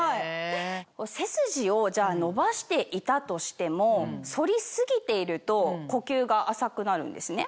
背筋を伸ばしていたとしても反り過ぎていると呼吸が浅くなるんですね。